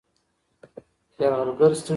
یرغلګر ستړي شول.